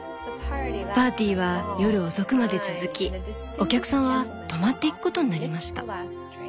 「パーティーは夜遅くまで続きお客さんは泊まっていくことになりました。